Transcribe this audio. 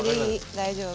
大丈夫。